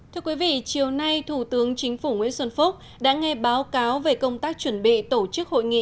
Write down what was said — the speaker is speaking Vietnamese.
thưa quý vị chiều nay thủ tướng chính phủ nguyễn xuân phúc đã nghe báo cáo về công tác chuẩn bị tổ chức hội nghị